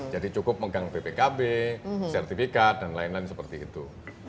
cukup megang bpkb sertifikat dan lain lain seperti itu